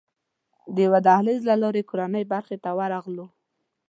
د یوه دهلېز له لارې کورنۍ برخې ته ورغلو.